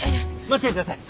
待っててください。